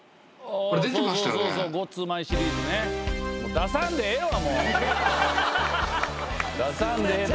出さんでええわ！